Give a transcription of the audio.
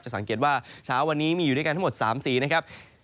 สังเกตว่าเช้าวันนี้มีอยู่ด้วยกันทั้งหมด๓สีนะครับ